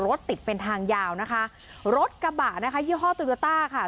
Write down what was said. รถติดเป็นทางยาวนะคะรถกระบะนะคะยี่ห้อโตโยต้าค่ะ